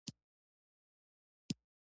د قدرت نیولو سره سم یې اصلاحات پیل کړل.